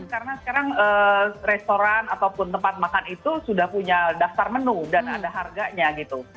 karena sekarang restoran ataupun tempat makan itu sudah punya daftar menu dan ada harganya gitu